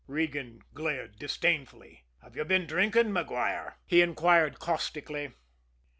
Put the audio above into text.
Regan glared disdainfully. "Have you been drinking, Maguire?" he inquired caustically.